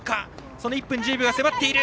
その１分１０秒が迫っている。